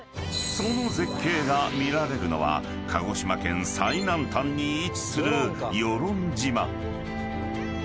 ［その絶景が見られるのは鹿児島県最南端に位置する］